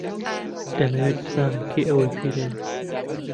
دەمەوێت بزانم کێ ئەوەی پێداویت.